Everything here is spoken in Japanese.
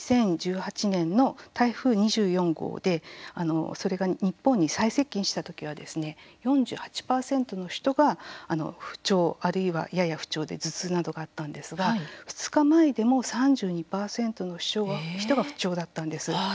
２０１８年の台風２４号でそれが日本に最接近したときは４８％の人が不調あるいはやや不調で頭痛などがあったんですが２日前でも３２％の人が不調だったんです。